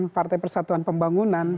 partai persatuan pembangunan